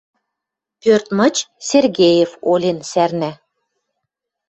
Пӧрт мыч Сергеев олен сӓрнӓ. —